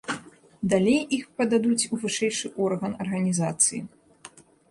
Далей іх пададуць у вышэйшы орган арганізацыі.